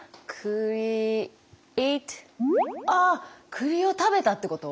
栗を食べたってこと？